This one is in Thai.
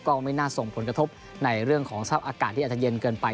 ก็ไม่น่าส่งผลกระทบในเรื่องของสภาพอากาศที่อาจจะเย็นเกินไป